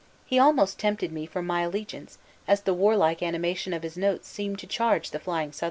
He almost tempted me from my allegiance, as the warlike animation of his notes seemed to charge the flying Southrons."